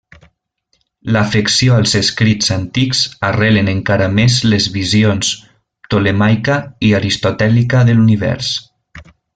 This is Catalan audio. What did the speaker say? L'afecció als escrits antics arrelen encara més les visions ptolemaica i aristotèlica de l'univers.